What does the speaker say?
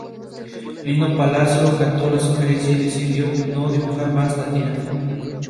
Vivió sus primeros años en Praha y fue alumno de Sebastiano Viera.